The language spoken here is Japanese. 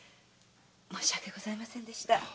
申し訳ございませんでした。